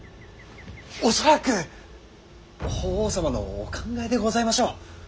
恐らく法皇様のお考えでございましょう。